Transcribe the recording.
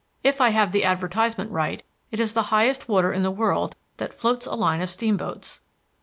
If I have the advertisement right, it is the highest water in the world that floats a line of steamboats.